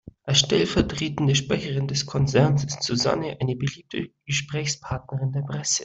Als stellvertretende Sprecherin des Konzerns ist Susanne eine beliebte Gesprächspartnerin der Presse.